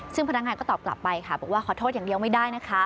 ซึ่งพนักงานก็ตอบกลับไปค่ะบอกว่าขอโทษอย่างเดียวไม่ได้นะคะ